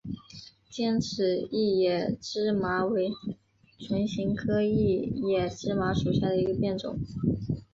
尖齿异野芝麻为唇形科异野芝麻属下的一个变种。